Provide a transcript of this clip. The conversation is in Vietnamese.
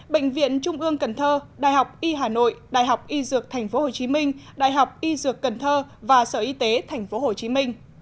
bệnh viện trung ương cần thơ đại học y hà nội đại học y dược tp hcm đại học y dược cần thơ và sở y tế tp hcm